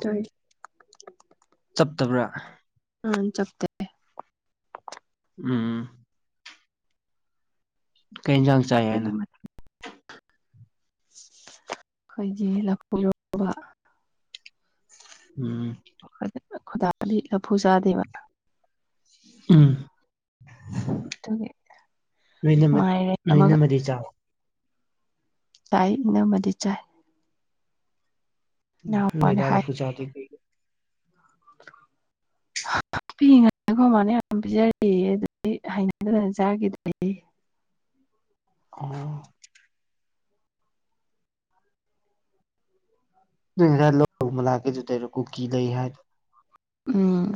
ꯇꯥꯏ ꯆꯞꯇꯕ꯭ꯔꯥ ꯑ ꯆꯞꯇꯦ ꯎꯝ ꯀꯩ ꯌꯦꯟꯁꯥꯡ ꯆꯥꯏ ꯍꯥꯏꯅ ꯈꯣꯏꯗꯤ ꯂꯥꯐꯨ ꯏꯔꯣꯝꯕ ꯎꯝ ꯈꯣꯏ ꯈꯣꯏꯗꯥꯗꯤ ꯂꯐꯨ ꯆꯥꯗꯦꯕ ꯎꯝ ꯑꯗꯨꯒꯤ ꯅꯣꯏ ꯏꯅꯝ ꯃꯥꯏꯔꯦꯟ ꯅꯣꯏ ꯑꯃꯒ ꯏꯅꯝꯃꯥꯗꯤ ꯆꯥꯕ꯭ꯔꯣ ꯇꯥꯏ ꯏꯅꯝꯃꯗꯤ ꯆꯥꯏ ꯎ ꯏꯅꯥꯎꯄꯥꯅ ꯅꯣꯏꯗꯥ ꯍꯥꯏ ꯂꯐꯨ ꯆꯥꯔꯗꯤ [inaudible] ꯄꯤꯛꯏ ꯉꯩꯗꯩꯩ ꯑꯈꯣꯏ ꯃꯥꯅ ꯌꯥꯝ ꯄꯤꯖꯔꯛ ꯑꯌꯦ ꯑꯗꯨꯗꯩꯩ ꯍꯩꯅꯗꯗꯅ ꯆꯥꯈꯤꯗ꯭ꯔꯦꯌꯦ ꯑ ꯅꯣꯏ ꯑꯗꯥꯏ ꯂꯧ ꯝꯅꯥꯛ ꯑꯗꯨꯗꯔꯣ ꯀꯨꯀꯤ ꯂꯩ ꯍꯥꯏ ꯎꯝ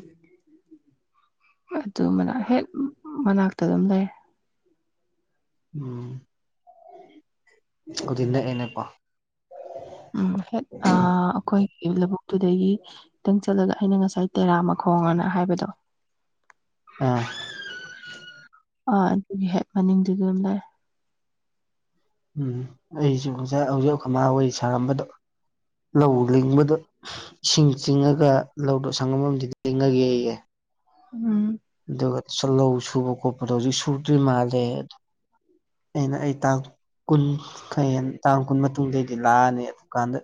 ꯑꯗꯨ ꯃꯅꯥ ꯍꯦꯛ ꯃꯅꯥꯛꯇ ꯑꯗꯨꯝ ꯂꯩꯔꯦ ꯎꯝ ꯑꯗꯨꯗꯤ ꯅꯛꯑꯅꯦꯀꯣ ꯎꯝ ꯍꯦꯛ ꯑ ꯑꯩꯈꯣꯏꯒꯤ ꯂꯧꯕꯨꯛꯇꯨꯗꯒꯤ ꯈꯤꯇꯪ ꯆꯠꯂꯒ ꯑꯩꯅ ꯉꯁꯥꯏ ꯇꯦꯔꯥꯃ ꯈꯣꯡ ꯑꯅ ꯍꯥꯏꯕꯗꯣ ꯎꯝ ꯑ ꯑꯗꯨꯒꯤ ꯍꯦꯛ ꯃꯅꯤꯡꯗꯨꯗ ꯑꯗꯨꯝ ꯂꯩꯔꯦ ꯎꯝ ꯑꯩꯁꯨ ꯉꯁꯥꯏ ꯍꯧꯖꯤꯛ ꯈꯅꯥꯎ ꯁꯥꯔꯝꯕꯗꯣ ꯂꯧ ꯂꯤꯡꯕꯗꯣ ꯏꯁꯤꯡ ꯆꯤꯡꯉꯒ ꯂꯧꯗꯣ ꯁꯪꯉꯝ ꯑꯃꯗꯤ ꯆꯤꯡꯉꯒ ꯌꯩꯌꯦ ꯎꯝ ꯑꯗꯨꯒ ꯁꯨꯝ ꯂꯧ ꯁꯨꯕ ꯈꯣꯠꯄꯗꯣ ꯍꯧꯖꯤꯛ ꯁꯨꯗ꯭ꯔꯤ ꯃꯥꯜꯂꯦ ꯑꯩꯅ ꯑꯩ ꯇꯥꯛ ꯀꯨꯟ ꯈꯌꯦꯟ ꯇꯥꯡ ꯀꯨꯟ ꯃꯇꯨꯡꯗꯩꯗꯤ ꯂꯥꯛꯑꯅꯤ ꯑꯗꯨꯀꯥꯟꯗ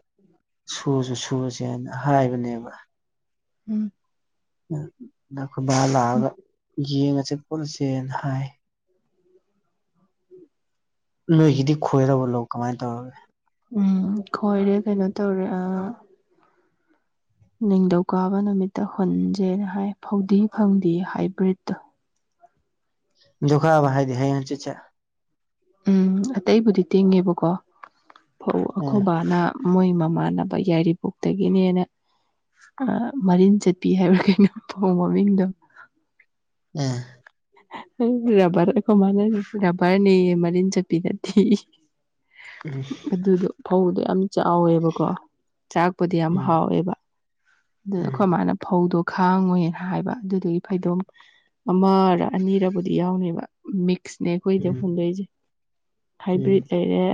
ꯁꯨꯁꯨ ꯁꯨꯁꯦꯅ ꯍꯥꯏꯕꯅꯦꯕ ꯎꯝ ꯅꯈꯣꯏꯕꯥ ꯂꯥꯛꯑꯒ ꯌꯦꯡꯉꯁꯦ ꯄꯨꯟꯁꯦꯅ ꯍꯥꯏ [inaudible] ꯅꯣꯏꯒꯤꯗꯤ ꯈꯣꯏꯔꯕꯣ ꯂꯧ ꯀꯃꯥꯏꯅ ꯇꯧꯔꯒꯦ ꯎꯝ ꯈꯣꯏꯔꯦ ꯀꯩꯅꯣ ꯇꯧꯔꯦ ꯑ ꯅꯤꯡꯊꯧꯀꯥꯕ ꯅꯨꯃꯤꯠꯇ ꯍꯨꯟꯖꯦꯅ ꯍꯥꯏ ꯐꯧꯗꯤ ꯐꯪꯗꯦ ꯍꯥꯏꯕ꯭ꯔꯤꯠꯇꯣ ꯗꯨꯀꯕ ꯍꯥꯏꯗꯤ ꯍꯌꯦꯡ ꯍꯥꯪꯆꯤꯠꯁꯦ ꯎꯝ ꯑꯇꯩꯕꯨꯗꯤ ꯇꯤꯡꯉꯦꯕꯀꯣ ꯐꯧ ꯎꯝ ꯑꯈꯣꯏ ꯕꯥꯅ ꯃꯣꯏ ꯃꯃꯥꯟꯅꯕ ꯌꯥꯏꯔꯤꯄꯣꯛꯇꯒꯤꯅꯦꯅ ꯑ ꯃꯔꯤꯟ ꯆꯠꯄꯤ ꯍꯥꯏꯕ ꯀꯩꯅꯣ ꯐꯧ ꯃꯃꯤꯡꯗꯣ ꯎꯝ ꯔꯕꯔ ꯑꯩꯈꯣꯏ ꯃꯥꯅ ꯔꯕꯔꯅꯦꯌꯦ ꯃꯔꯤꯟ ꯆꯠꯄꯤ ꯅꯠꯇꯦꯌꯦ ꯑꯗꯨꯗꯣ ꯐꯧꯗꯣ ꯌꯥꯝ ꯆꯥꯎꯋꯦꯕꯀꯣ ꯆꯥꯛꯄꯨꯗꯤ ꯌꯥꯝ ꯎꯝ ꯍꯥꯎꯋꯦꯕ ꯗꯨꯗ ꯑꯩꯈꯣꯏ ꯎꯝ ꯃꯥꯥꯅ ꯐꯧꯗꯣ ꯈꯥꯡꯉꯣꯏꯅ ꯍꯥꯏꯕ ꯑꯗꯨꯗꯒꯤ ꯐꯩꯗꯣꯝ ꯑꯃꯔ ꯑꯅꯤꯔꯕꯨꯗꯤ ꯌꯥꯎꯅꯤꯕ ꯃꯤꯛꯁꯅꯦ ꯑꯩꯈꯣꯏꯗ ꯎꯝ ꯍꯨꯟꯗꯣꯏꯁꯦ ꯍꯥꯏꯕ꯭ꯔꯤꯠ ꯎꯝ ꯂꯩꯔꯦ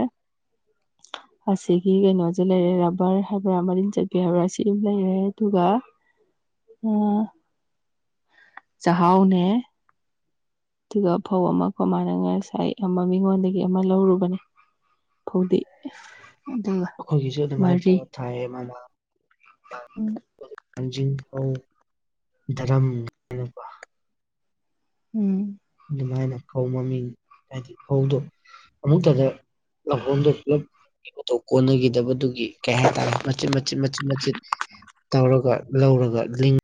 ꯑꯁꯤꯒꯤ ꯀꯩꯅꯣꯁꯦ ꯂꯩꯔꯦ ꯔꯕꯔ ꯍꯥꯏꯕ꯭ꯔꯥ ꯃꯔꯤꯟ ꯆꯠꯄꯤ ꯍꯥꯏꯕ꯭ꯔꯥ ꯁꯤ ꯑꯃ ꯂꯩꯔꯦ ꯑꯗꯨꯒ ꯑꯥ ꯆꯍꯥꯎ ꯅꯦ ꯑꯗꯨꯒ ꯐꯧ ꯑꯃ ꯀꯣ ꯃꯥꯥꯅ ꯉꯁꯥꯏ ꯑꯃ ꯃꯤꯉꯣꯟ ꯗꯒꯤ ꯑꯃ ꯂꯧꯔꯨꯕꯅꯤ ꯑꯗꯨꯒꯤ ꯑꯩꯈꯣꯏ ꯒꯤꯁꯨ ꯑꯗꯨꯃꯥꯏꯅ ꯇꯧꯔ ꯊꯥꯏꯌꯦ ꯃꯥ [unintelligible] ꯙꯔꯝ ꯀꯥꯏꯅꯀꯣ ꯎꯝ ꯑꯗꯨ ꯃꯥꯏꯅ ꯐꯧ ꯃꯃꯤꯡ ꯍꯥꯏꯗꯤ ꯐꯧꯗꯣ ꯑꯃꯨꯛ ꯇꯗ ꯂꯍꯣꯡꯗ ꯄꯨꯞ ꯀꯣꯟꯅꯈꯤꯗꯕꯗꯨꯒꯤ ꯀꯩ ꯍꯥꯏꯇꯥꯔꯦ ꯃꯆꯤꯠ ꯃꯆꯤꯠ ꯃꯆꯤꯠ ꯃꯆꯤꯠ ꯇꯧꯔꯒ ꯂꯧꯔꯒ ꯂꯤꯡ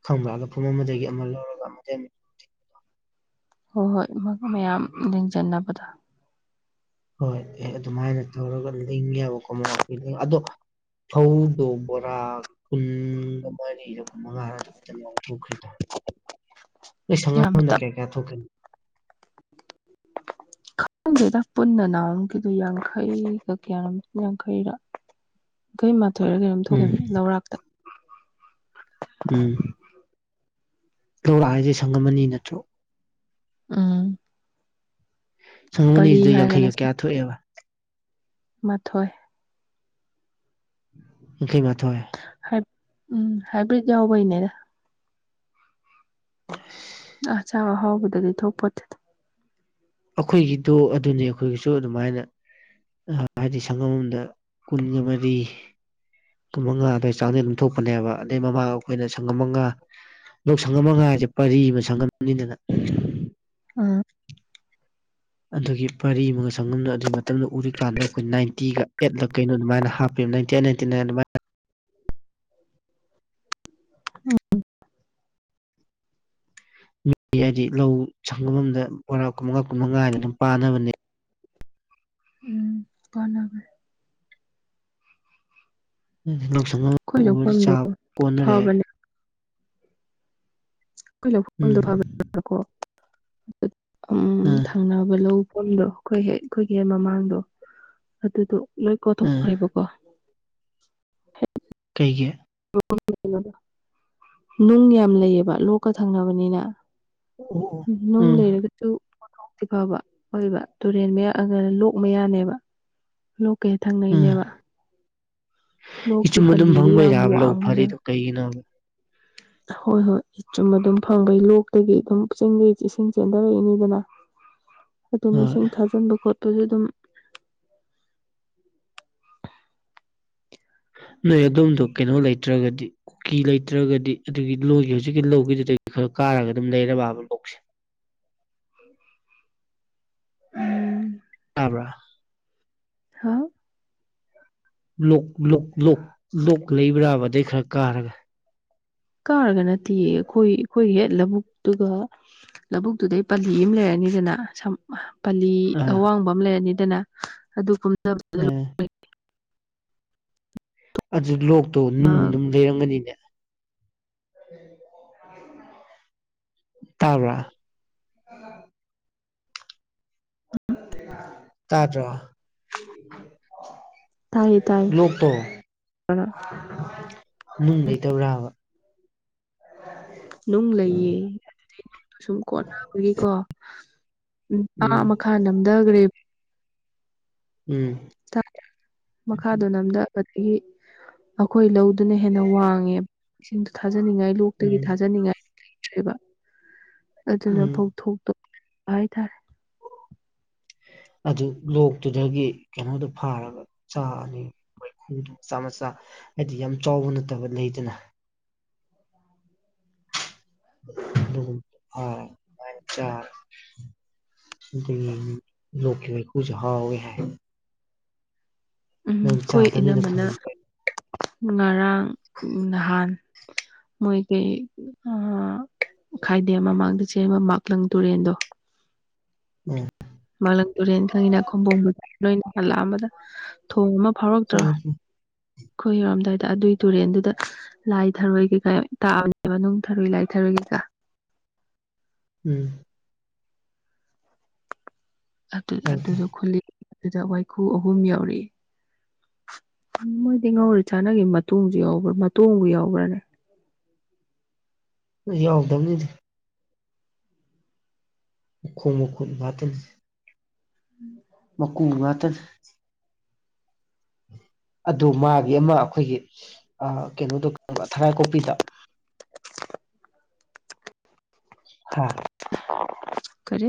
[unintelligible] ꯐꯨꯝ ꯑꯃꯗꯒꯤ ꯑꯃ ꯂꯧꯔꯒ ꯑꯃꯃꯤ ꯍꯣꯏ ꯍꯣꯏ ꯃꯌꯥꯝ ꯂꯤꯡꯖꯟꯅꯕꯗ ꯍꯣꯏ ꯑꯦ ꯑꯗꯨꯃꯥꯏꯅ ꯇꯧꯔꯒ ꯂꯤꯡꯒꯦꯕ ꯀꯣꯃꯄꯤ ꯑꯗꯣ ꯐꯧꯗꯣ ꯕꯣꯔꯥ ꯀꯨꯟꯒ ꯃꯔꯤ ꯃꯉꯥ ꯍꯥꯏ ꯐꯇꯪ ꯌꯥ ꯊꯣꯛꯈ꯭ꯔꯤꯗ ꯅꯣꯏ ꯌꯥꯝ ꯁꯉꯝꯗ ꯀꯌꯥ ꯀꯌꯥ ꯊꯣꯛꯀꯅꯤ ꯅꯪꯗꯦꯗꯥꯛ ꯄꯨꯟꯅ ꯅꯥꯎꯔꯝꯈꯤꯗꯨ ꯌꯥꯡꯈꯩꯒꯛ ꯀꯌꯥ ꯌꯥꯡꯈꯩꯔ ꯑꯩꯈꯣꯏ ꯃꯥꯊꯣꯏꯔ ꯀꯩꯅꯣꯝ ꯎꯝ ꯊꯣꯛꯈꯤꯕꯅꯦ ꯂꯧꯔꯥꯛ ꯎꯝ ꯂꯧꯔꯥꯛ ꯍꯥꯏꯁꯦ ꯁꯪꯉꯝꯃꯅꯤ ꯅꯠꯇ꯭ꯔꯣ ꯎꯝ ꯁꯪꯒꯝ ꯄꯔꯤ ꯑꯅꯤꯗꯨꯗ ꯍꯥꯏꯔꯒꯅꯦ ꯌꯥꯡꯈꯩꯒ ꯀꯌꯥ ꯊꯣꯛꯑꯦꯕ ꯃꯥꯊꯣꯏ ꯌꯥꯡꯈꯩ ꯃꯥꯊꯣꯏ ꯎꯝ ꯍꯥꯏꯕ꯭ꯔꯤꯠ ꯌꯥꯎꯕꯩꯅꯦꯗ ꯎꯝ ꯑ ꯆꯕ ꯍꯥꯎꯗꯗꯤ ꯊꯣꯄꯠꯇꯦ ꯑꯩꯈꯣꯏꯒꯤꯗꯣ ꯑꯗꯨꯅꯤ ꯑꯩꯈꯣꯏꯒꯤꯁꯨ ꯑꯗꯨꯃꯥꯏꯅ ꯍꯥꯏꯗꯤ ꯁꯪꯉꯝꯝꯗ ꯀꯨꯟꯒ ꯃꯔꯤ ꯀꯨꯟꯃꯉꯥ ꯑꯗꯨꯗꯋꯥꯏ ꯆꯥꯡꯗꯦꯜ ꯂꯨꯝꯊꯣꯛꯄꯅꯦꯕ ꯑꯗꯩ ꯃꯃꯥ ꯑꯩꯈꯣꯏꯅ ꯁꯪꯒꯝ ꯃꯉꯥ ꯂꯣꯛ ꯁꯪꯉꯝꯃꯒꯥꯁꯦ ꯄꯔꯤ ꯑꯃ ꯁꯪꯉꯝꯅꯤꯗꯅ ꯎꯝ ꯑꯗꯨꯒꯤ ꯄꯔꯤ ꯑꯃꯒ ꯆꯪꯒꯝꯅ ꯑꯗꯨꯒꯤ ꯃꯇꯝꯗ ꯎꯔꯤꯀꯥꯟꯗ ꯑꯩꯈꯣꯏ ꯅꯥꯏꯟꯇꯤꯒ ꯑꯦꯠꯂ ꯀꯩꯅꯣ ꯑꯗꯨꯃꯥꯏꯅ ꯍꯥꯞꯄ ꯇꯅꯦꯇꯅꯦ ꯎꯝ ꯃꯤ ꯍꯥꯏꯗꯤ ꯂꯧ ꯁꯪꯒꯝꯗꯔꯥ ꯀꯨꯟꯃꯉꯥ ꯀꯨꯟꯃꯉꯥꯅ ꯑꯗꯨꯝ ꯄꯥꯅꯕꯅꯦ ꯎꯝ ꯀꯅꯒ ꯂꯧꯁꯪ ꯑꯃ ꯑꯩꯈꯣꯏ ꯎꯗꯤ ꯂꯧꯐꯝꯗꯣ ꯆꯥꯕ ꯀꯣꯟꯅꯔꯦ ꯐꯕꯅꯦ ꯑꯩ ꯎꯝ ꯂꯧꯗꯥꯣ ꯑꯥ ꯊꯪꯅꯕ ꯂꯧꯐꯝꯗꯣ ꯑꯩꯈꯣꯏ ꯍ ꯑꯩꯈꯣꯏꯒꯤ ꯍꯦꯛ ꯃꯃꯥꯡꯗꯣ ꯑꯗꯨꯗꯣ ꯂꯣꯏ ꯑꯥ ꯀꯣꯊꯣꯛꯈ꯭ꯔꯦꯕꯀꯣ ꯀꯩꯒꯤꯦ ꯅꯨꯡ ꯌꯥꯝ ꯂꯩꯌꯦꯕ ꯂꯣꯛꯀ ꯊꯪꯅꯕꯅꯤꯅ ꯑꯣ ꯎ ꯅꯨꯡ ꯎꯝ ꯂꯩꯔꯒꯁꯨ ꯄꯊꯣꯛꯇꯤ ꯐꯕ ꯑꯣꯏꯕ ꯇꯨꯔꯦꯟ ꯃꯌꯥꯛꯑꯒ ꯂꯣꯛ ꯃꯌꯥꯅꯦꯕ ꯂꯣꯛꯀꯩꯦ ꯎꯝ ꯊꯪꯅꯩꯅꯦꯕ ꯂꯣꯛꯀꯤ ꯏꯆꯨꯝ ꯑꯗꯨꯝ ꯄꯜꯂꯤꯗꯣ ꯌꯥꯝ ꯐꯪꯕꯩꯔꯕ ꯂꯧ ꯋꯥꯡꯕꯅꯦꯕ ꯐꯔꯤꯗꯣ ꯀꯩꯒꯤꯅꯣꯕ ꯍꯣꯏ ꯍꯣꯏ ꯏꯆꯨꯝ ꯑꯗꯨꯝ ꯐꯪꯕꯩ ꯂꯣꯛꯇꯒꯤ ꯑꯗꯨꯝ ꯆꯤꯡꯗꯒꯤ ꯏꯁꯤꯡ ꯆꯦꯟꯊꯔꯛꯏꯅꯤꯗꯅ [unintelligible] ꯑꯗꯨꯝ ꯏꯁꯤꯡ ꯊꯥꯖꯤꯟꯕ ꯈꯣꯠꯄꯁꯨ ꯑꯗꯨꯝ ꯅꯣꯏ ꯑꯗꯣꯝꯗꯣ ꯀꯩꯅꯣ ꯂꯩꯇ꯭ꯔꯒꯗꯤ ꯀꯨꯀꯤ ꯂꯩꯇ꯭ꯔꯒꯗꯤ ꯑꯗꯨꯒꯤ ꯂꯣꯏꯒꯤ ꯍꯧꯖꯤꯛꯀꯤ ꯂꯧꯒꯤꯗꯨꯗꯒꯤ ꯈꯔ ꯀꯥꯔꯒ ꯑꯗꯨꯝ ꯂꯩꯔꯕꯕ ꯂꯣꯛꯁꯦ ꯎꯝ ꯇꯥꯕ꯭ꯔ ꯍꯥꯥꯎ ꯭ꯂꯣꯛꯣꯛꯣꯛ ꯂꯣꯛ ꯂꯩꯕ꯭ꯔꯥꯕ ꯑꯗꯩ ꯈꯔ ꯀꯥꯔꯒ ꯀꯥꯔꯒ ꯅꯠꯇꯦ ꯑꯩꯈꯣꯏ ꯑꯩꯈꯣꯏ ꯍꯦꯠ ꯂꯕꯨꯨꯛꯇꯨꯒ ꯂꯧꯕꯨꯛꯇꯨꯗꯩ ꯄꯜꯂꯤ ꯑꯃ ꯂꯩꯔꯅꯤꯗꯅ ꯄꯥꯂꯤ ꯑꯥ ꯑꯋꯥꯡꯕ ꯑꯃ ꯂꯩꯔꯅꯤꯗꯅ ꯑꯗꯨ ꯀꯨꯝꯗꯕꯗ ꯑꯥ ꯑꯗꯨ ꯂꯣꯛꯇꯣ ꯅꯨꯡ ꯑꯗꯨꯝ ꯂꯩꯔꯝꯒꯅꯤꯅꯦ ꯇꯥꯕ꯭ꯔꯥ [unintelligible] ꯇꯥꯗ꯭ꯔꯣ ꯇꯥꯏꯌꯦ ꯇꯥꯏꯌꯦ ꯂꯣꯛꯇꯣ ꯅꯨꯡ ꯂꯩꯇꯕ꯭ꯔꯕ ꯅꯨꯡ ꯂꯩꯌꯦ ꯑꯗꯨꯗꯩ ꯅꯨꯡꯗꯣ ꯁꯨꯝ ꯀꯣꯟꯅꯕꯒꯤꯀꯣ ꯅꯨꯄꯥꯥ ꯎꯝ ꯑꯃ ꯅꯝꯗꯒꯔ꯭ꯦ ꯎꯝ ꯇꯥꯛ ꯃꯈꯥꯗꯣ ꯅꯝꯗꯥ ꯕꯒꯤ ꯑꯩꯈꯣꯏ ꯂꯧ ꯑꯗꯨꯅ ꯍꯦꯟꯅ ꯋꯥꯡꯉꯦꯕ ꯏꯁꯤꯡꯗꯣ ꯊꯥꯖꯅꯤꯡꯉꯥꯏ ꯂꯣꯛꯇꯒꯤ ꯎꯝ ꯊꯥꯗꯅꯤꯡꯉꯥꯏ ꯂꯩꯇ꯭ꯔꯦꯕ ꯑꯗꯨꯅ ꯎꯝ ꯐꯧꯊꯣꯛꯇꯕꯤ ꯍꯥꯏꯇꯥꯔꯦ ꯑꯗꯨ ꯂꯣꯛꯇꯨꯗꯒꯤ ꯀꯩꯅꯣꯗꯨ ꯐꯥꯔꯒ ꯆꯥꯅꯤ ꯋꯥꯏꯈꯨꯗꯣ ꯃꯆꯥ ꯃꯆꯥ ꯍꯥꯏꯗꯤ ꯌꯥꯝ ꯆꯥꯎꯕ ꯅꯠꯇꯕ ꯂꯩꯗꯅ ꯗꯨꯒꯨꯝ ꯐꯥ ꯅꯨꯡꯉꯥꯏ ꯆꯥ [unintelligible] ꯂꯣꯛꯀꯤ ꯋꯥꯏꯈꯨꯁꯦ ꯍꯥꯎꯋꯦ ꯍꯥꯏ ꯎꯝ ꯅꯪ ꯑꯩꯈꯣꯏ ꯆꯥꯗꯕꯅꯤꯅ ꯏꯅꯝꯃꯅ ꯈꯪꯗ꯭ꯔꯦ ꯉꯔꯥꯡ ꯅꯍꯥꯟ ꯃꯣꯏꯒꯤ ꯑꯥ ꯈꯥꯏꯗꯦꯝ ꯃꯃꯥꯡꯗ ꯆꯦꯟꯕ ꯃꯥꯛꯂꯪ ꯇꯨꯔꯦꯟꯗꯣ ꯑꯥ ꯃꯥꯛꯂꯪ ꯇꯨꯔꯦꯟ ꯈꯪꯉꯤꯅ ꯈꯨꯝꯕꯣꯡꯕ ꯅꯣꯏꯅ ꯂꯥꯛꯑꯝꯕꯗꯣ ꯊꯣꯡ ꯑꯃ ꯐꯥꯎꯔꯛꯇ꯭ꯔꯣ ꯎꯝ ꯑꯩꯈꯣꯏ ꯌꯧꯔꯝꯗꯥꯏꯗ ꯑꯗꯨꯏ ꯇꯨꯔꯦꯟꯗꯨꯗ ꯂꯥꯏ ꯊꯔꯣꯏ ꯀꯩꯀꯥ ꯌꯥꯝ ꯇꯥꯕꯅꯦꯕ ꯅꯨꯡ ꯊꯔꯣꯏ ꯂꯥꯏ ꯊꯔꯣꯏ ꯀꯩꯀꯥ ꯎꯝ ꯑꯗꯨꯗ ꯗꯨꯗ ꯈꯨꯜꯂꯤ ꯑꯗꯨꯗ ꯋꯥꯏꯈꯨ ꯑꯍꯨꯝ ꯌꯥꯎꯔꯦ ꯃꯣꯏꯗꯤ ꯉꯧꯔ ꯆꯥꯟꯅꯒꯤ ꯃꯇꯣꯡꯖꯨ ꯌꯥꯎꯕ꯭ꯔꯥ ꯃꯇꯣꯡꯕꯨ ꯌꯥꯎꯕ꯭ꯔꯥꯅꯦ ꯌꯥꯎꯗꯝꯅꯤꯗ ꯃꯈꯣꯡ ꯃꯈꯨꯠ ꯉꯥꯇꯅꯤ ꯃꯀꯨ ꯉꯥꯠꯇꯅꯤ ꯑꯗꯨ ꯃꯥꯒꯤ ꯑꯃ ꯑꯩꯈꯣꯏꯒꯤ ꯑꯥ ꯀꯩꯅꯣꯗꯣ ꯕ꯭ꯔꯥ ꯊꯔꯥꯏ ꯀꯣꯛꯄꯤꯗꯣ ꯍꯥ ꯀꯔꯤ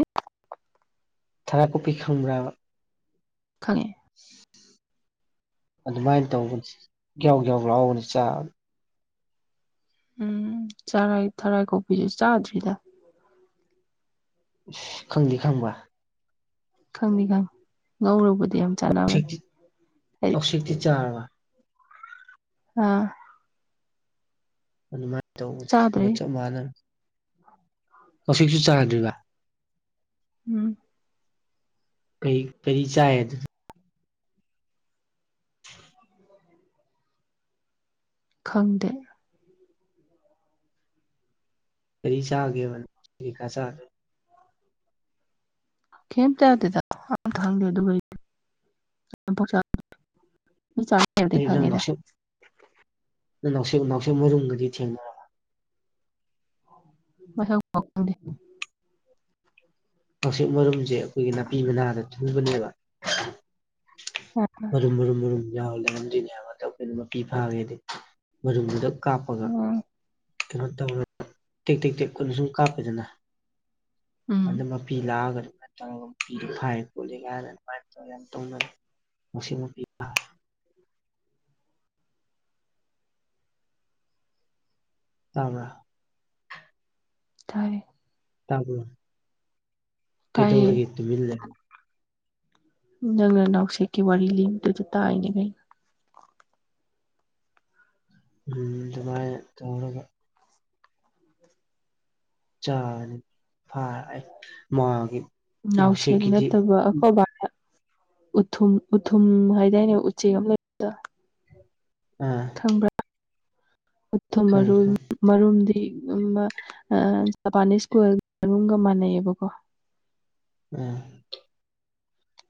ꯊꯔꯥꯏꯀꯨꯞꯄꯤ ꯈꯪꯕ꯭ꯔꯥꯕ ꯈꯪꯉꯦ ꯑꯗꯨꯃꯥꯏꯅ ꯇꯧꯕꯅꯤ ꯒ꯭ꯌꯥꯎ ꯒ꯭ꯌꯥꯎ ꯂꯥꯎꯕꯅꯤ ꯆꯥꯕꯗ ꯎꯝ ꯆꯔꯥꯏ ꯊꯔꯥꯏ ꯀꯣꯄꯤꯖꯨ ꯆꯥꯗ꯭ꯔꯤꯗ ꯁ ꯈꯪꯗꯤ ꯈꯪꯕ ꯈꯪꯗꯤ ꯈꯪ ꯉꯧꯔꯕꯨꯗꯤ ꯌꯥꯝ ꯆꯥꯅꯕꯅꯦ ꯁꯦꯛꯇꯤ ꯑꯩ ꯅꯥꯎꯁꯦꯛꯇꯤ ꯆꯥꯔꯕ ꯑꯥ ꯑꯗꯨꯃꯥꯏ ꯇꯧꯕꯅꯦ ꯑꯗꯨ ꯆꯥꯗ꯭ꯔꯤ ꯆꯞ ꯃꯥꯅ ꯎꯆꯦꯛꯁꯨ ꯆꯥꯗꯔ꯭ꯤꯕ ꯎꯝ ꯀꯔꯤ ꯀꯔꯤ ꯆꯥꯏ ꯑꯗꯨ [inaudible] ꯈꯪꯗꯦ ꯀꯔꯤ ꯆꯥꯒꯦꯕ ꯎꯆꯦꯛꯀ ꯆꯗꯔ꯭ꯗꯤ ꯀꯩꯝꯇ [unintelligible] ꯑꯩ ꯅꯪ ꯅꯥꯎꯁꯨꯞ ꯅꯪ ꯅꯥꯎꯁꯦꯛ ꯅꯥꯎꯁꯦꯛ ꯃꯔꯨꯝꯒꯗꯤ ꯊꯦꯡꯅ ꯃꯁꯛ ꯄꯥꯎ ꯈꯪꯗꯦ ꯅꯥꯎꯁꯦꯛ ꯃꯔꯨꯝꯖꯦ ꯑꯩꯈꯣꯏꯒꯤ ꯅꯥꯄꯤ ꯃꯅꯥꯗ ꯊꯨꯕꯅꯦꯕ꯫ ꯃꯔꯨꯝ-ꯃꯔꯨꯝ-ꯃꯔꯨꯝ꯫ ꯌꯥꯎ ꯂꯩꯔꯝꯗꯣꯏꯅꯦꯕ ꯖꯧ ꯑꯩꯈꯣꯏꯅ ꯃꯄꯤ ꯐꯥꯒꯦꯗꯤ ꯃꯔꯨꯝꯗꯨꯗ ꯀꯥꯞꯄꯒ ꯀꯩꯅꯣ ꯇꯧꯔ ꯇꯦꯛ-ꯇꯦꯛ-ꯇꯦꯛ ꯈꯨꯣꯠꯅ ꯁꯨꯝ ꯀꯥꯞꯄꯦꯗꯅ ꯎꯝ ꯑꯗꯨꯃꯛ ꯂꯥꯛꯑꯒ ꯑꯗꯨꯃꯥꯏ ꯇꯧꯔꯒ ꯃꯄꯤꯗꯣ ꯐꯥꯏꯌꯦ ꯈꯣꯠꯂꯦ ꯀꯥꯏꯅ ꯑꯗꯨꯃꯥꯏꯅ ꯌꯥꯝ ꯇꯧꯅ ꯎꯁꯤꯡ ꯅꯨꯄꯤ ꯐꯥꯏ ꯇꯥꯕ꯭ꯔꯥ ꯇꯥꯏꯌꯦ꯫ ꯇꯥꯕ꯭ꯔꯣ? ꯇꯥꯏꯌꯦ ꯀꯩꯗꯧꯔꯒꯦ ꯇꯨꯃꯤꯜ [inaudible] ꯅꯪꯅ ꯅꯥꯎꯁꯦꯛꯀꯤ ꯋꯥꯔꯤ ꯂꯤꯕꯗꯨꯗ ꯇꯥꯏꯅꯦ ꯀꯩꯅꯣ꯫ ꯎꯝ ꯑꯗꯨꯃꯥꯏꯅ ꯇꯧꯏ꯫ [inaudible] ꯃꯥꯒꯤ ꯅꯥꯎꯁꯦꯛ ꯅꯥꯎꯁꯦꯛꯀꯤꯗꯤ ꯅꯠꯇꯕ ꯑꯩꯈꯣꯏꯕꯅ ꯎꯊꯨꯝ-ꯎꯊꯨꯝ ꯍꯥꯏꯗꯥꯏꯅꯦ ꯎꯆꯦꯛ ꯑꯃ ꯂꯩꯕꯗꯣ꯫ ꯑ ꯈꯪꯕ꯭ꯔꯥ ꯎꯊꯨꯝ ꯈꯪꯉꯤ ꯃꯔꯨ ꯈꯪꯉꯤ ꯃꯔꯨꯝꯗꯤ ꯑꯃ ꯖꯄꯥꯅꯤꯁ ꯀꯣꯏꯜ ꯃꯔꯨꯡꯒ ꯃꯥꯟꯅꯩꯌꯦꯕꯀꯣ꯫ ꯑ꯫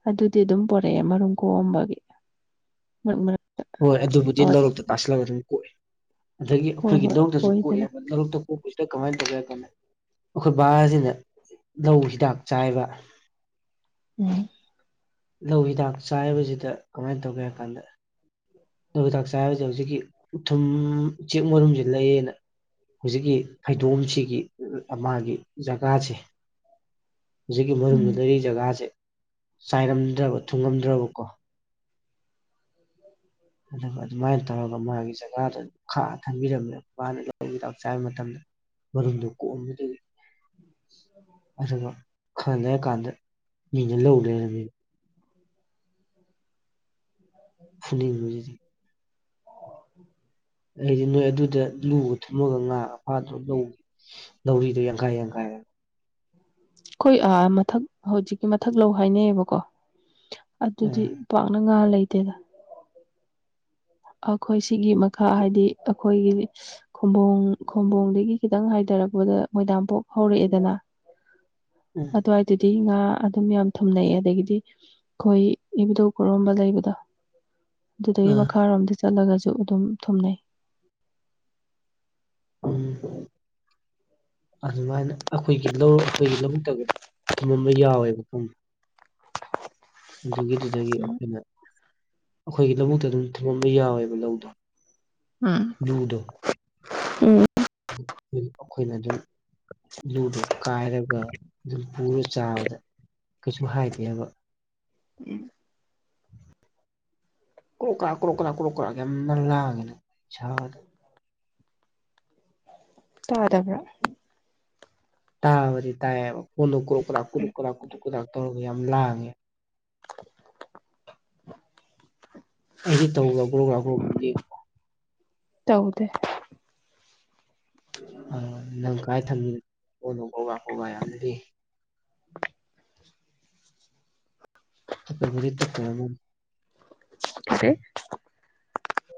ꯑꯗꯨꯗꯤ ꯑꯗꯨꯝ ꯄꯨꯣꯔꯛꯑꯦ ꯃꯔꯨꯝ ꯀꯣꯛꯑꯝꯕꯒꯤ [unintelligible] ꯍꯣꯏ ꯑꯗꯨꯕꯨꯗꯤ ꯍꯣꯏ ꯂꯧꯔꯣꯛꯇ ꯇꯥꯁꯜꯂꯒ ꯑꯗꯨꯝ ꯀꯣꯛꯑꯦ꯫ ꯑꯗꯒꯤ ꯍꯣꯏ ꯑꯩꯈꯣꯏꯒꯤ ꯍꯣꯏ ꯂꯧꯗꯁꯨ ꯀꯣꯏꯗꯅ ꯀꯣꯛꯑꯦꯕ [unintelligible] ꯀꯣꯛꯄꯁꯤ ꯑꯘꯣ ꯀꯃꯥꯏꯅ ꯇꯧꯒꯦ ꯍꯥꯏꯀꯥꯟꯗ ꯑꯩꯈꯣꯏ ꯕꯥꯁꯤꯅ ꯂꯧ ꯍꯤꯗꯥꯛ ꯆꯥꯏꯕ ꯎꯝ ꯂꯧ ꯍꯤꯗꯥꯛ ꯆꯥꯏꯕꯁꯤꯗ ꯀꯃꯥꯏꯅ ꯇꯧꯒꯦ ꯍꯥꯏꯀꯥꯟꯗ ꯂꯧ ꯍꯤꯗꯥꯛ ꯆꯥꯏꯕꯁꯦ ꯍꯨꯖꯤꯛꯀꯤ ꯎꯊꯨꯝ ꯎꯆꯦꯛ ꯃꯔꯨꯝꯁꯤ ꯂꯩꯌꯦꯅ ꯍꯧꯖꯤꯛꯀꯤ ꯐꯩꯗꯣꯝꯁꯤꯒꯤ ꯃꯥꯒꯤ ꯖꯒꯥꯁꯦ ꯍꯧꯖꯤꯛꯀꯤ ꯎꯝ ꯃꯔꯨꯝꯗꯨ ꯂꯩꯔꯤ ꯖꯒꯥꯁꯦ ꯆꯥꯏꯔꯝꯗ꯭ꯔꯕ ꯊꯨꯡꯉꯝꯗ꯭ꯔꯕꯀꯣ [inaudible] ꯑꯗꯨꯒ ꯑꯗꯨꯃꯥꯏꯅ ꯇꯧꯔꯒ ꯃꯥꯒꯤ ꯖꯒꯥꯗ ꯈꯥꯛꯑ ꯊꯟꯕꯤꯔꯝꯃꯦ ꯃꯥꯅ ꯂꯧꯔꯤ ꯍꯤꯇꯥꯛ ꯆꯥꯏꯕ ꯃꯇꯝꯗ ꯃꯔꯨꯝꯗꯣ [unintelligible] ꯑꯗꯨꯒ ꯈꯔ ꯂꯩꯔꯀꯥꯟꯗ ꯃꯤꯅ ꯂꯧ ꯂꯩꯔꯝꯃꯤꯕ꯫ [inaudible] [unintelligible] ꯑꯩꯗꯤ ꯅꯣꯏ ꯑꯗꯨꯗ ꯂꯨꯒ ꯊꯨꯝꯃꯒ ꯉꯥ ꯐꯥꯗ꯭ꯔꯣ ꯂꯧꯒꯤ꯫ ꯅꯧꯔꯤꯗꯨꯣ ꯌꯥꯡꯈꯥꯏ ꯌꯥꯡꯈꯥꯏꯔꯒ꯫ ꯑꯩꯈꯣꯏ ꯃꯊꯛ ꯍꯧꯖꯤꯛꯀꯤ ꯃꯊꯛ ꯂꯧ ꯍꯥꯏꯅꯩꯌꯦꯕꯀꯣ ꯑꯗꯨꯗꯤ ꯎꯝ ꯄꯥꯛꯅ ꯉꯥ ꯂꯩꯇꯦꯗ꯫ ꯑꯩꯈꯣꯏ ꯁꯤꯒꯤ ꯃꯈꯥ ꯍꯥꯏꯗꯤ ꯑꯩꯈꯣꯏꯒꯤ ꯈꯨꯡꯕꯣꯡ ꯈꯨꯡꯝꯕꯣꯡꯗꯒꯤ ꯈꯤꯇꯪ ꯍꯥꯏꯊꯔꯛꯄꯗ ꯃꯣꯏꯗꯥꯡꯄꯣꯛ ꯍꯧꯔꯛꯑꯦꯗꯅ ꯎꯝ꯫ ꯑꯗꯨꯋꯥꯏꯗꯨꯗꯤ ꯉꯥ ꯑꯗꯨꯝ ꯌꯥꯝ ꯊꯝꯅꯩꯑꯦ ꯑꯗꯒꯤꯗꯤ ꯑꯩꯈꯣꯏ ꯏꯕꯨꯙꯧ ꯄꯔꯣꯝꯕ ꯂꯩꯕꯗꯣ? ꯎꯝ ꯑꯗꯨꯗꯒꯤ ꯑ ꯃꯈꯥꯔꯣꯝꯗ ꯆꯠꯂꯒꯁꯨ ꯑꯗꯨꯝ ꯊꯨꯝꯅꯩ꯫ ꯎꯝ꯫ ꯑꯗꯨꯃꯥꯏꯅ ꯑꯩꯈꯣꯏꯒꯤ ꯂꯧ ꯑꯩꯈꯣꯏꯒꯤ ꯂꯧꯕꯨꯛꯇꯒ ꯊꯨꯝꯃꯝꯕ ꯌꯥꯎꯋꯦꯕ ꯄꯨꯡ ꯑꯗꯨꯒꯤꯗꯨꯗꯒꯤ ꯑꯩꯈꯣꯏꯅ ꯑꯩꯈꯣꯏꯒꯤ ꯂꯧꯕꯨꯛꯇ ꯑꯗꯨꯝ ꯊꯨꯝꯃꯝꯕ ꯌꯥꯎꯋꯦꯕ ꯂꯧꯗꯣ ꯎꯝ ꯂꯨꯗꯣ ꯎꯝ ꯑꯩꯈꯣꯏꯅ ꯑꯗꯨ ꯂꯨꯗꯣ ꯀꯥꯏꯔꯒ ꯑꯗꯨꯝ ꯄꯨꯔ ꯆꯥꯕꯗ ꯀꯩꯁꯨ ꯍꯥꯏꯗꯦꯕ꯫ ꯎꯝ ꯀ꯭ꯔꯣꯛ ꯀ꯭ꯔꯥ ꯀ꯭ꯔꯣꯛ ꯀ꯭ꯔꯥ ꯀ꯭ꯔꯣꯛ ꯀꯥ ꯌꯥꯝꯅ ꯂꯥꯡꯉꯦꯅꯦ ꯇꯥꯗꯕ꯭ꯔꯥ ꯇꯥꯕꯗꯤ ꯇꯥꯏꯌꯦꯕ ꯀꯣꯟꯗꯣ ꯀ꯭ꯔꯣꯛ ꯀ꯭ꯔꯥ ꯀ꯭ꯔꯣꯛ ꯀ꯭ꯔꯥ ꯀ꯭ꯔꯣꯛ ꯇꯧꯔꯒ ꯌꯥꯝ ꯂꯥꯡꯉꯦ ꯑꯩꯗꯤ ꯇꯧꯕ꯭ꯔꯣ ꯇꯧꯗꯦ ꯅꯪ ꯀꯥꯏ ꯊꯝꯃꯤ ꯀꯣꯅꯣ ꯀꯕ ꯀꯕ ꯌꯥꯝꯅꯗꯤ ꯑꯗꯨꯕꯨꯗꯤ ꯇꯥꯠꯇꯣꯔꯥꯕꯅꯦ [unintelligible]